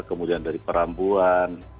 kemudian dari perambuan